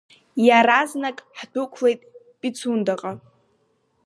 Иаразнак ҳдәықәлеит Пицундаҟа.